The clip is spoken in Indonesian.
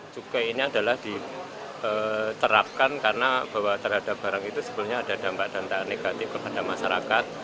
cukai ini adalah diterapkan karena terhadap barang itu sebetulnya ada dampak dan tak negatif kepada masyarakat